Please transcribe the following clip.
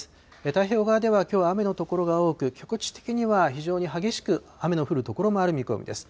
太平洋側ではきょうの雨の所が多く、局地的には非常に激しく雨の降る所もある見込みです。